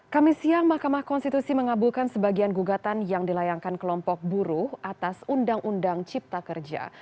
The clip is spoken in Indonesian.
kami siang mahkamah konstitusi mengabulkan sebagian gugatan yang dilayangkan kelompok buruh atas undang undang cipta kerja